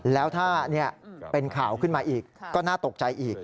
แล้วถ้าเป็นข่าวขึ้นมาอีกก็น่าตกใจอีก